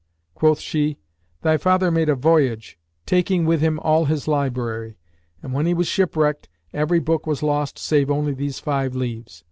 Quoth she, "Thy father made a voyage taking with him all his library and, when he was shipwrecked, every book was lost save only these five leaves.